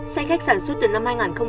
xe khách sản xuất từ năm hai nghìn một mươi